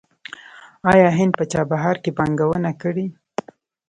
آیا هند په چابهار کې پانګونه کړې؟